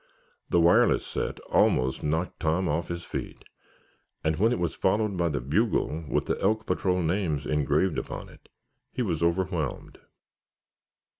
The wireless set almost knocked Tom off his feet, and when it was followed by the bugle with the Elk patrol names engraved upon it, he was overwhelmed.